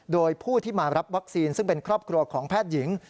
โดยผู้ที่มารับวัคซีนซึ่งเป็นครอบครัวของแพทย์หญิง